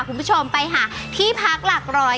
คุณผู้ชมไปหาที่พักหลักร้อย